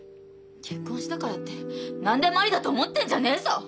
結婚したからって何でもありだと思ってんじゃねぇぞ！